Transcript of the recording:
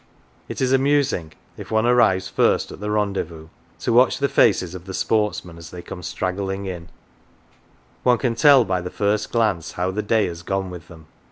It is amusing, if one arrives first at the rendezvous, to watch the faces of the sportsmen as they come straggling in ; one can tell by the first glance how the day has gone with them.